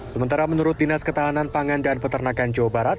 sementara menurut dinas ketahanan pangan dan peternakan jawa barat